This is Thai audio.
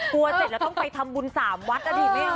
ตัวเสร็จแล้วต้องไปทำบุญสามวันอาทิตย์ไม่เอา